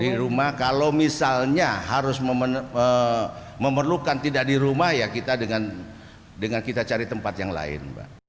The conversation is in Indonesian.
di rumah kalau misalnya harus memerlukan tidak di rumah ya kita dengan kita cari tempat yang lain